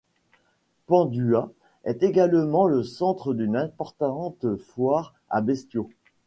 Pandua est d’également le centre d’une importante foire à bestiaux.